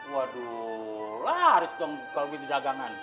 waduh laris dong kalo gitu dagangan